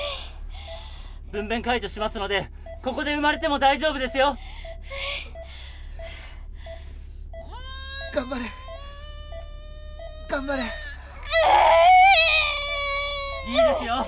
分娩介助しますのでここで生まれても大丈夫ですよはいうっ頑張れ頑張れうっ・いいですよ